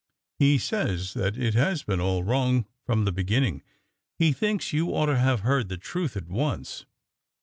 He says that it has been all wrong from the beginning; he thinks you ought to have heard the truth at once."